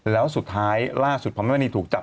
แล้วสุดท้ายล่าสุดพอแม่มณีถูกจับ